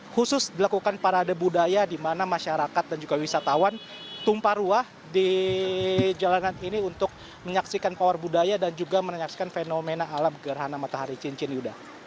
khusus dilakukan parade budaya di mana masyarakat dan juga wisatawan tumpah ruah di jalanan ini untuk menyaksikan power budaya dan juga menyaksikan fenomena alam gerhana matahari cincin yuda